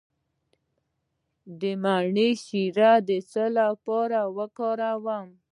د مڼې شیره د څه لپاره وکاروم؟